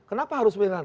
kenapa harus jauh